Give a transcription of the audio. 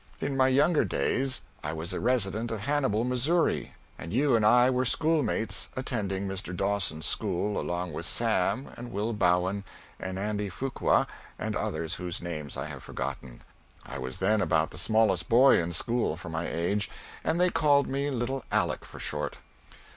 In my younger days I was a resident of Hannibal, Mo., and you and I were schoolmates attending Mr. Dawson's school along with Sam and Will Bowen and Andy Fuqua and others whose names I have forgotten. I was then about the smallest boy in school, for my age, and they called me little Aleck for short.